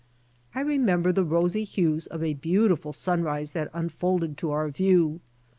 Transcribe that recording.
I remember the rosy hues of a beautiful sunrise that unfolded to our view.